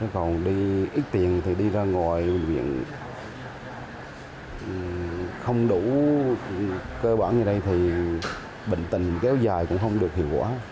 còn đi ít tiền thì đi ra ngoài viện không đủ cơ bản ở đây thì bệnh tình kéo dài cũng không được hiệu quả